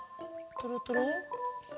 とろとろ？